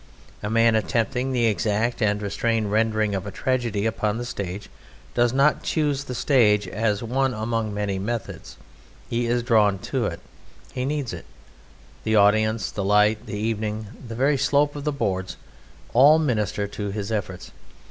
A man attempting the exact and restrained rendering of tragedy upon the stage does not choose the stage as one among many methods, he is drawn to it: he needs it; the audience, the light, the evening, the very slope of the boards, all minister to his efforts.